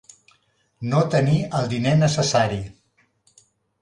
No tenir el diner necessari.